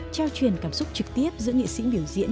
trao truyền cảm xúc trực tiếp giữa nghệ sĩ biểu diễn